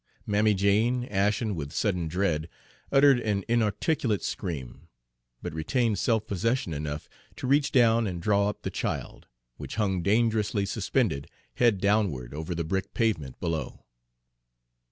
Mammy Jane, ashen with sudden dread, uttered an inarticulate scream, but retained self possession enough to reach down and draw up the child, which hung dangerously suspended, head downward, over the brick pavement below.